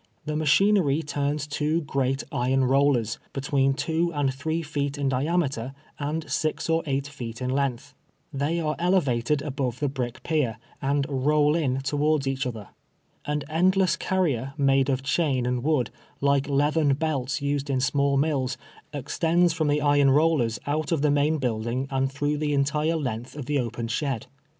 The machinery turns two great iron rollers, between two and three feet in diameter and six or eight feet in length. Tliey are elevated above the brick pier, and roll in towards each other. An end less carrier, made of chain and wood, like leathern belts used in small mills, extends from the iron rollers out of the main buildino; and throuo h the entire length of the open shed.